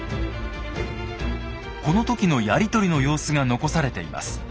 この時のやり取りの様子が残されています。